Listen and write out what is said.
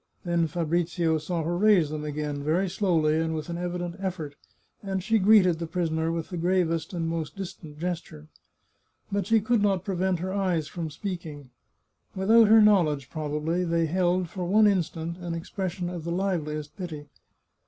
Then Fa brizio saw her raise them again, very slowly and with an evident effort, and she greeted the prisoner with the gravest and most distant gesture. But she could not prevent her eyes from speaking. Without her knowledge, probably, they held, for one instant, an expression of the liveliest pity.